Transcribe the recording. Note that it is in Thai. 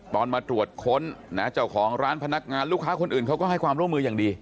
มาตรวจค้นนะเจ้าของร้านพนักงานลูกค้าคนอื่นเขาก็ให้ความร่วมมืออย่างดี